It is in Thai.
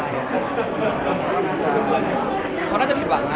เขาน่าจะเขาน่าจะผิดหวังนะ